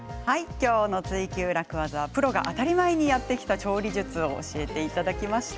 今日の「ツイＱ楽ワザ」はプロが当たり前にやってきた調理術を教えていただきました。